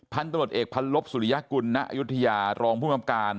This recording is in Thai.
พันธนตรวจเอกพันลบสุริยกุลณยุธยารองผู้คำการ